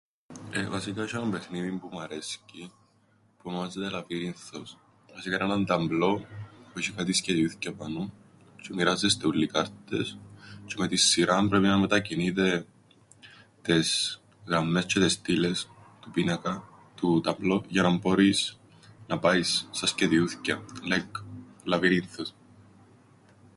Ε, βασικά έσ̆ει έναν παιχνίδιν που μ' αρέσκει, που ονομάζεται Λαβύρινθος. Βασικά εν' έναν ταμπλό, που 'σ̆ει κάτι σκεδιούθκια πάνω, τζ̆αι μοιράζεστε ούλλοι κάρτες, τζ̆αι με την σειράν πρέπει να μετακινείτε... τες γραμμές τζ̆αι τες στήλες του πίνακα, του... ταμπλό, για να μπόρεις να πάεις στα σκεδιούθκια, λάικ, λαβύρινθος.